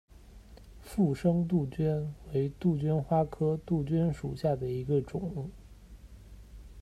附生杜鹃为杜鹃花科杜鹃属下的一个种。